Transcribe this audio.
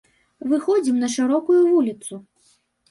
Выходзім на шырокую вуліцу.